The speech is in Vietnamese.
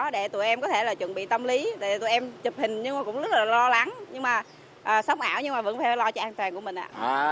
để tụi em có thể chuẩn bị tâm lý để tụi em chụp hình nhưng cũng rất là lo lắng